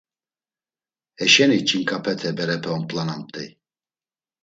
Heşena ç̌inǩapete berepe omp̌lanamt̆ey.